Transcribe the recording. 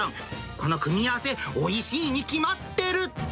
この組み合わせ、おいしいに決まってる。